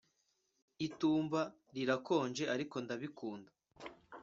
Itumba rirakonje ariko ndabikunda